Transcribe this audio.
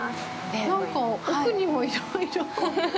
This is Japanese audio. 何か、奥にもいろいろな。